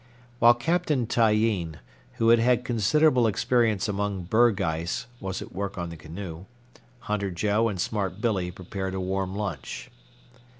While Captain Tyeen, who had had considerable experience among berg ice, was at work on the canoe, Hunter Joe and Smart Billy prepared a warm lunch.